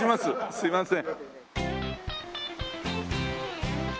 すいません。